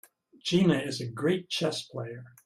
Gina is a great chess player.